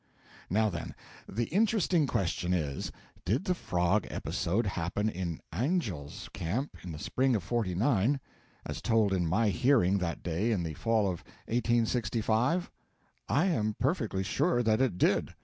Now, then, the interesting question is, did the frog episode happen in Angel's Camp in the spring of '49, as told in my hearing that day in the fall of 1865? I am perfectly sure that it did.